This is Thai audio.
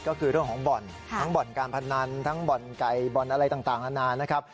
ก็คือเรื่องของบ่อนทั้งบ่อนการพนันทั้งบ่อนไก่บ่อนอะไรต่างนานานะครับ